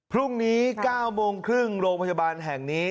พรุ่งนี้๙๓๐โรงพยาบาลแห่งนี้